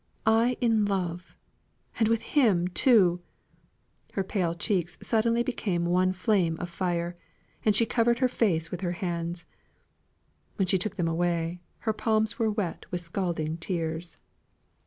I in love and with him too!" Her pale cheeks suddenly became one flame of fire; and she covered her face with her hands. When she took them away, her palms were wet with scalding tears.